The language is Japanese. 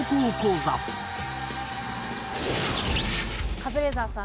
カズレーザーさん